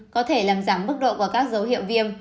có thể làm giảm mức độ của các dấu hiệu viêm